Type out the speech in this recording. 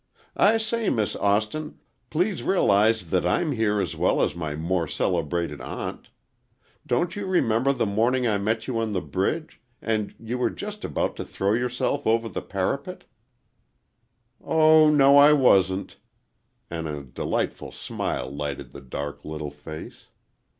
"I say, Miss Austin, please realize that I'm here as well as my more celebrated aunt! Don't you remember the morning I met you on the bridge,—and you were just about to throw yourself over the parapet?" "Oh, no, I wasn't," and a delightful smile lighted the dark little face.